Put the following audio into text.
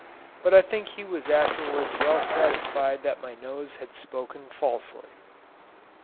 But I think he was afterwards well satisfied that my nose had spoken falsely.